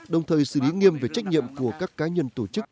đồng thời xử lý nghiêm về trách nhiệm của các cá nhân tổ chức